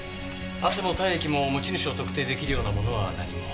汗も体液も持ち主を特定出来るようなものは何も。